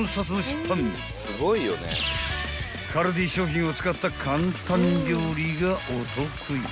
［カルディ商品を使った簡単料理がお得意］